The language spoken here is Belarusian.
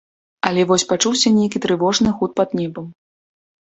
Але вось пачуўся нейкі трывожны гуд пад небам.